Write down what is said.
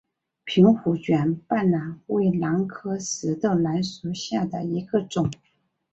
瓶壶卷瓣兰为兰科石豆兰属下的一个种。